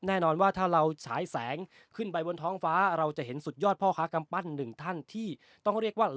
แน่นอนว่าถ้าเราฉายแสงขึ้นไปบนท้องฟ้าเราจะเห็นสุดยอดพ่อค้ากำปั้นหนึ่งท่านที่ต้องเรียกว่า